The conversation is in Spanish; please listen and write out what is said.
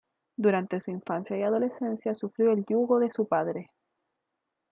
Durante su infancia y adolescencia sufrió el yugo de su padre.